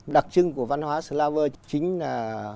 đặc trưng của văn hóa slav chính là